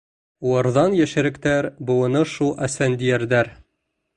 Уларҙан йәшерәктәр быуыны шул Әсфәндиәрҙәр.